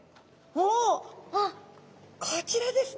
おこちらですね。